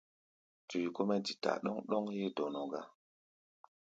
Tui kɔ́-mɛ́ ɔ́ dítá ɗɔ́ŋ-ɗɔ́ŋ héé dɔnɔ gá.